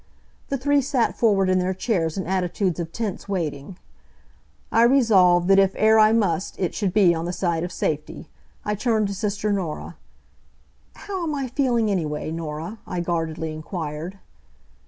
The three sat forward in their chairs in attitudes of tense waiting. I resolved that if err I must it should be on the side of safety. I turned to sister Norah. "How am I feeling anyway, Norah?" I guardedly inquired.